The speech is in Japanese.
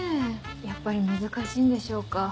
やっぱり難しいんでしょうか。